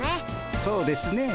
そうですねぇ。